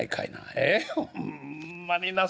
ええ？